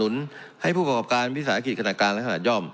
ดูนทำให้ผู้ประกอบการวิศาสตร์กรีดขณะกลางและขณะย่อม